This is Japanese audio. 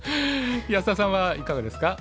安田さんはいかがですかお父様。